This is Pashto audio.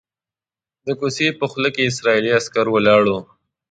د کوڅې په خوله کې اسرائیلي عسکر ولاړ وو.